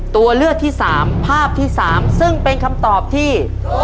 ตัวเลือกที่๓ภาพที่๓ซึ่งเป็นคำตอบที่